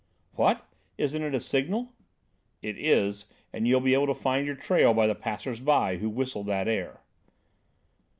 "What! Isn't it a signal?" "It is, and you'll be able to find your trail by the passers by who whistle that air."